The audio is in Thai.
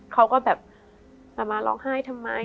เขาก็แบบจะมาร้องไห้ทำไม